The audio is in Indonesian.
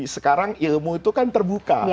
sekarang ilmu itu kan terbuka